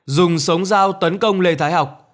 dùng sống dao tấn công lê thái học